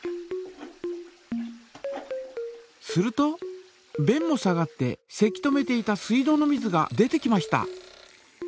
するとべんも下がってせき止めていた水道の水が出てきました。